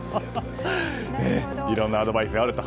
いろんなアドバイスがあると。